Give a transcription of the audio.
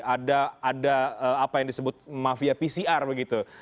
ada apa yang disebut mafia pcr begitu